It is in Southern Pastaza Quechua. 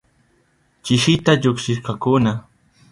Chisita llukshishkakuna.